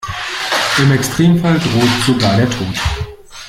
Im Extremfall droht sogar der Tod.